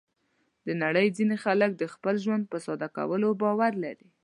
د نړۍ ځینې خلک د خپل ژوند په ساده کولو باور لري.